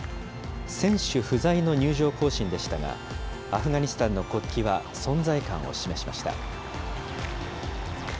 選手不在の入場行進でしたが、アフガニスタンの国旗は存在感を示しました。